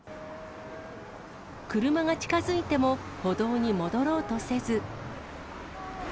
車が近づいても、歩道に戻ろうとせず。